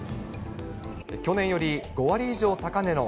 去年より５割以上高値の